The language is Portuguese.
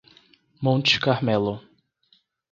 Monte Carmelo